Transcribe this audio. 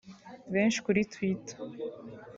Benshi kuri Twitter